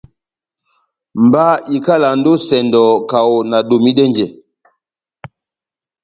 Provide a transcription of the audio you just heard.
Mba ikalandi ó esɛndɔ kaho nadomidɛnjɛ.